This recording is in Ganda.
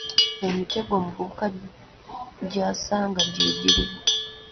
Emitego omuvubuka gy’asanga gye giluwa?